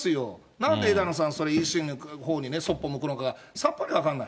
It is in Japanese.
なんで枝野さん、それ維新のほうにね、そっぽ向くのか、さっぱり分からない。